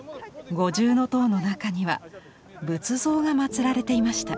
五重塔の中には仏像が祀られていました。